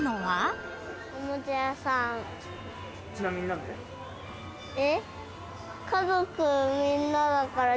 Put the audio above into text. ちなみに何で？